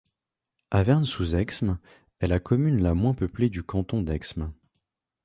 Avernes-sous-Exmes est la commune la moins peuplée du canton d'Exmes.